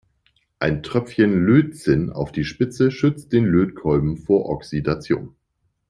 Ein Tropfen Lötzinn auf die Spitze schützt den Lötkolben vor Oxidation.